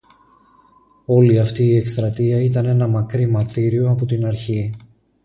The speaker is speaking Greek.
Όλη αυτή η εκστρατεία ήταν ένα μακρύ μαρτύριο από την αρχή